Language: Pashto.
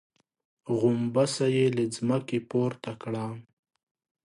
غومبسه يې له ځمکې پورته کړه.